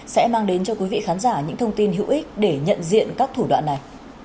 sẽ mang đến cho quý vị khán giả những thông tin hữu ích để nhận diện các thủ đoạn này